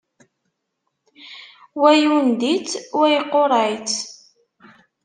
Wa yundi-tt wa yeqqureɛ-itt.